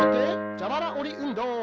じゃばらおりうんどう！